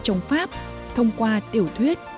trong pháp thông qua tiểu thuyết